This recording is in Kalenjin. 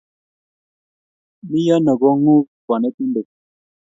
Mi ano konguuk konetindet